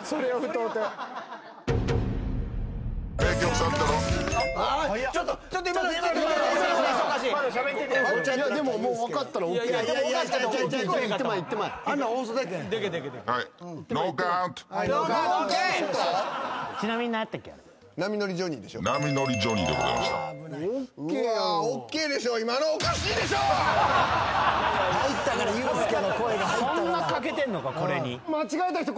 そんなかけてんのかこれに。